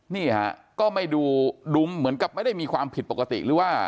นี่ฮะก็ไม่ดูลุมเหมือนกับไม่ได้มีความผิดปกติหรือว่า